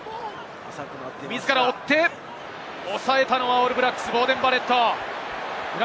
抑えたのはオールブラックス、ボーデン・バレット。